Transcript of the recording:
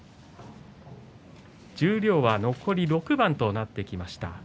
十両は残り６番となってきました。